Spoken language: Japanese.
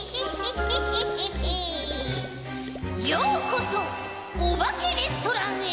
ようこそおばけレストランへ！